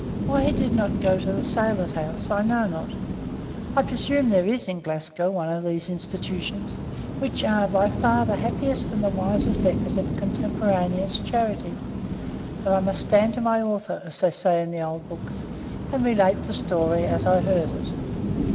Why he did not go to the Sailors' House I know not; I presume there is in Glasgow one of these institutions, which are by far the happiest and the wisest effort of contemporaneous charity; but I must stand to my author, as they say in old books, and relate the story as I heard it.